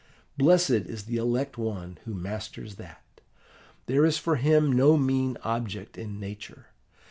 Blessed is the elect one who masters that! There is for him no mean object in nature.